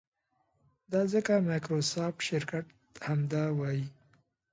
دا ځکه مایکروسافټ شرکت همدا وایي.